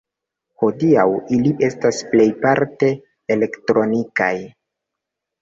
Hodiaŭ ili estas plejparte elektronikaj.